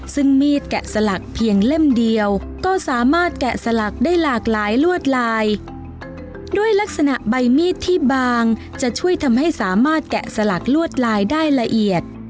ซึ่งมีดแกะสลักเพียงเล่มเดียวก็สามารถแกะสลักได้หลากหลายลวดลายด้วยลักษณะใบมีดที่บางจะช่วยทำให้สามารถแกะสลักลวดลายได้ละเอียด